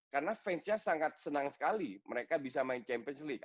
karena fansnya sangat senang sekali mereka bisa main champions league